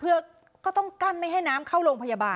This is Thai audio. เพื่อก็ต้องกั้นไม่ให้น้ำเข้าโรงพยาบาล